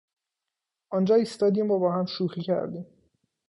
آنجا ایستادیم و با هم شوخی کردیم.